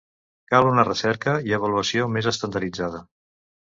Cal una recerca i avaluació més estandarditzada.